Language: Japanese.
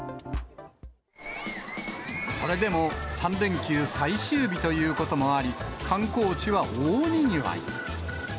それでも３連休最終日ということもあり、観光地は大にぎわい。